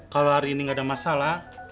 kalau hari ini nggak ada masalah